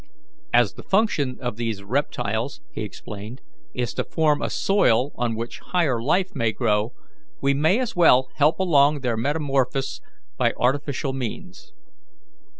"As the function of these reptiles," he explained, "is to form a soil on which higher life may grow, we may as well help along their metamorphosis by artificial means."